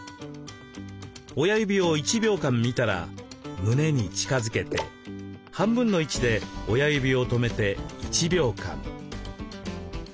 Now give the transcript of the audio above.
親指を１秒間見たら胸に近づけて半分の位置で親指を止めて１秒間。